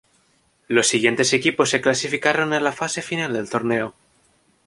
Los siguientes equipos se clasificaron a la fase final del torneo.